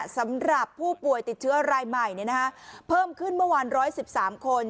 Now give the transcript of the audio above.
สำหรับผู้ป่วยติดเชื้อรายใหม่เพิ่มขึ้นเมื่อวาน๑๑๓คน